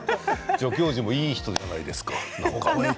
助教授も、いい人じゃないですか。